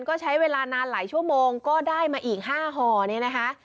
ก็ใช้เวลานานหลายชั่วโมงก็ได้มาอีก๕ห่อเนี่ยนะคะ